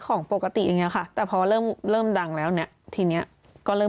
ตอนที่คุณพังกรเขาเข้าไป